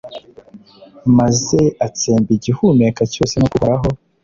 maze atsemba igihumeka cyose, nk'uko uhoraho